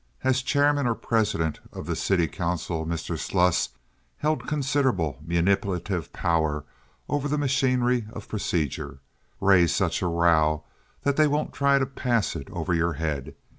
(As chairman or president of the city council Mr. Sluss held considerable manipulative power over the machinery of procedure.) "Raise such a row that they won't try to pass it over your head.